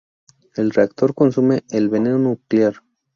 El reactor "consume" el veneno nuclear.